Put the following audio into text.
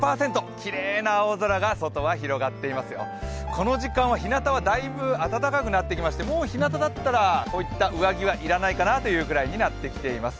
この時間はひなたはだいぶ暖かくなってきてこういった上着はいらないかなというぐらいになってきています。